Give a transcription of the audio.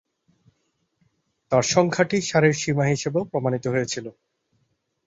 তাঁর সংখ্যাটি সারির সীমা হিসাবেও প্রমাণিত হয়েছিল।